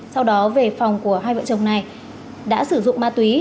sau đó về phòng của hai vợ chồng này đã sử dụng ma túy